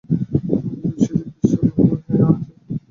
বৃষ্টিতে পিছলও হইয়া আছে।